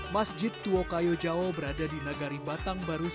masjid tua kayu jawa berada di negari batang barus